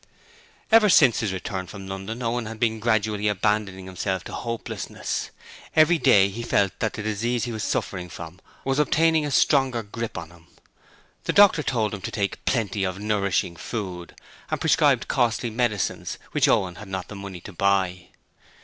Ever since his return from London, Owen had been gradually abandoning himself to hopelessness. Every day he felt that the disease he suffered from was obtaining a stronger grip on him. The doctor told him to 'take plenty of nourishing food', and prescribed costly medicines which Owen had not the money to buy.